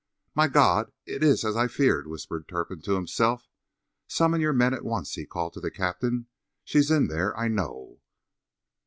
"My God! It is as I feared!" whispered Turpin to himself. "Summon your men at once!" he called to the captain. "She is in there, I know."